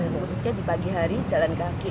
khususnya di pagi hari jalan kaki